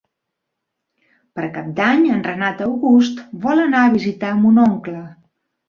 Per Cap d'Any en Renat August vol anar a visitar mon oncle.